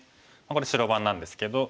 これ白番なんですけど。